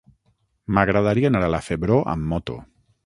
M'agradaria anar a la Febró amb moto.